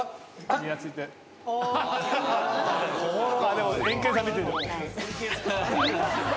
・でもエンケンさん見てる。